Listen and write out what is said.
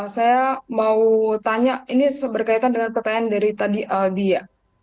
saya mau tanya ini berkaitan dengan pertanyaan dari tadi aldi ya